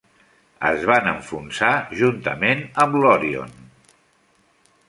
Es van enfonsar juntament amb l'"Orion".